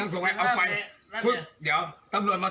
พุทธังบางตาสังคังบางตา